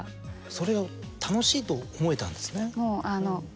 それを楽しいと思えたんですね。